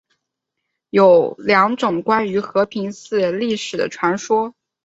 有两种关于和平寺历史的传说。